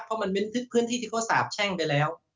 เพราะมันเป็นพื้นที่ที่เขาสาบแช่งไปแล้ว